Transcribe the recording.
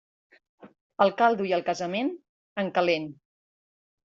El caldo i el casament, en calent.